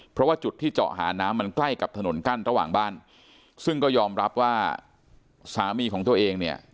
เพราะว่าจุดที่เจาะหาน้ำมันใกล้กับถนนกั้นระหว่างบ้านซึ่งก็ยอมรับว่าสามีของตัวเองเนี่ย